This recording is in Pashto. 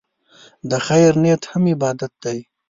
د خیر نیت هم عبادت دی.